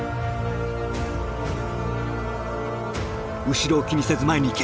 「後ろを気にせず前に行け！」。